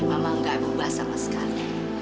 memang gak berubah sama sekali